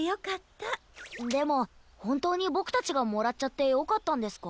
でもほんとうにボクたちがもらっちゃってよかったんですか？